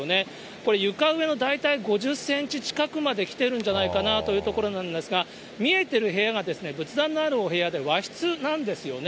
これ、床上の大体５０センチ近くまで来ているんじゃないかなというところなんですが、見えてる部屋が仏壇のあるお部屋で、和室なんですよね。